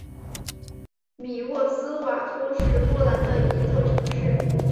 米沃斯瓦夫是波兰的一座城市。